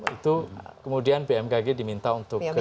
itu kemudian bmkg diminta untuk trace back